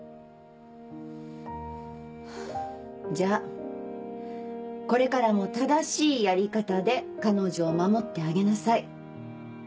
ハァじゃあこれからも正しいやり方で彼女を守ってあげなさい。